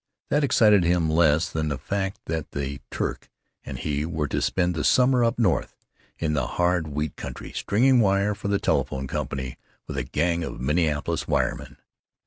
That excited him less than the fact that the Turk and he were to spend the summer up north, in the hard wheat country, stringing wire for the telephone company with a gang of Minneapolis wiremen.